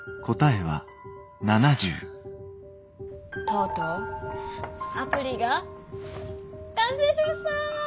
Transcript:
とうとうアプリが完成しました！